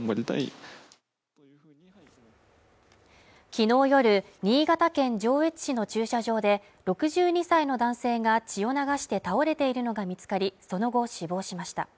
昨日夜新潟県上越市の駐車場で、６２歳の男性が血を流して倒れているのが見つかり、その後死亡しました。